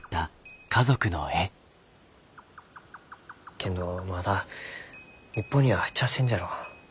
けんどまだ日本には入っちゃあせんじゃろう？